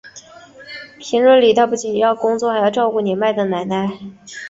平日里他不仅要工作还要照顾年迈的奶奶。